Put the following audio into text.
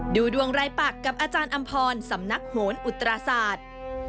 ดูดวงรายปักกับอาจารย์อำพรสำนักโหนอุตราศาสตร์